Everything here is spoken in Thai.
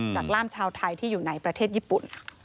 ร่ามชาวไทยที่อยู่ในประเทศญี่ปุ่น